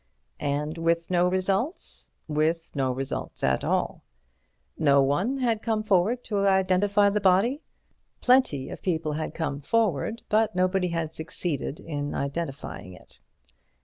And with no results? With no results at all. No one had come forward to identify the body? Plenty of people had come forward; but nobody had succeeded in identifying it.